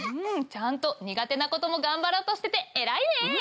うんちゃんと苦手なことも頑張ろうとしてて偉いね！